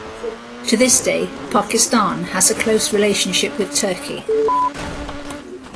To this day, Pakistan has a close relationship with Turkey.